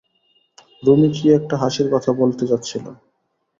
রুমী কী একটা হাসির কথা বলতে যাচ্ছিল।